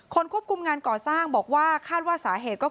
ควบคุมงานก่อสร้างบอกว่าคาดว่าสาเหตุก็คือ